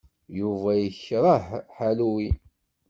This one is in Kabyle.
Yuba yekṛeh Halloween.